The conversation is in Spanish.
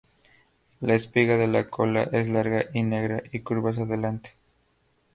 La espiga de la cola es larga y negra, y curvas adelante.